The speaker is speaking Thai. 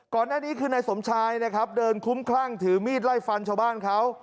ก่อนหน้านี้คือนายสมชายนะครับเดินคุ้มคลั่งถือมีดไล่ฟันชาวบ้านเขา